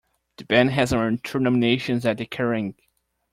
The band has earned two nominations at the Kerrang!